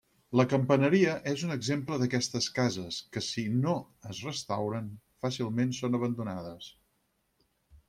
La Campaneria és un exemple d'aquestes cases, que si no es restauren, fàcilment són abandonades.